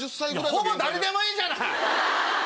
ほぼ誰でもいいじゃない！